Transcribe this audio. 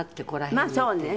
まあそうね。